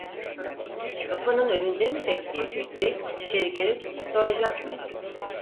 Kapının önünde mi bekleyecekti, içeri girip soracak mıydı?